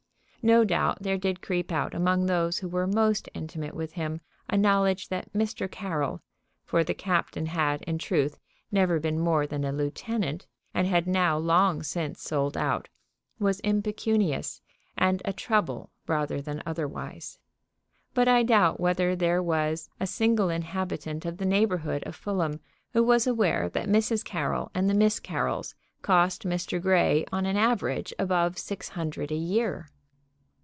No doubt there did creep out among those who were most intimate with him a knowledge that Mr. Carroll, for the captain had, in truth, never been more than a lieutenant, and had now long since sold out, was impecunious, and a trouble rather than otherwise. But I doubt whether there was a single inhabitant of the neighborhood of Fulham who was aware that Mrs. Carroll and the Miss Carrolls cost Mr. Grey on an average above six hundred a year.